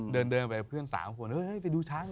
เดินไปกับเพื่อนสามคนไปดูช้าง